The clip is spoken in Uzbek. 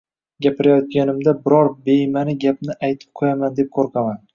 “Gapirayotganimda biror bemaʼni gapni aytib qo‘yaman deb qo‘rqaman